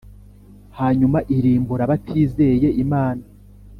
hanyuma irimbura abatizeye imana